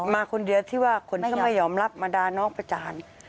มาคนเดียวที่ว่าคนก็ไม่ยอมรับมาด่าน้องประจาน